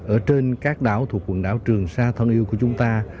ở trên các đảo thuộc quần đảo trường sa thân yêu của chúng ta